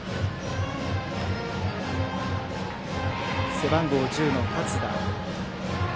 背番号１０の勝田。